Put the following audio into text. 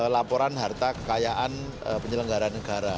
laporan harta kekayaan penyelenggara negara